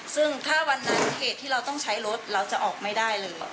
ซึ่งถ้าวันนั้นเหตุที่เราต้องใช้รถเราจะออกไม่ได้เลย